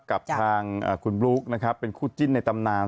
กับทางคุณบลุ๊กนะครับเป็นคู่จิ้นในตำนาน